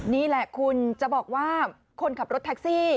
นี่แหละคุณจะบอกว่าคนขับรถแท็กซี่